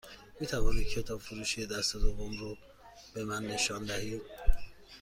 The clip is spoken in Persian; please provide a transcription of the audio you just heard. می توانید کتاب فروشی دست دوم رو به من نشان دهید؟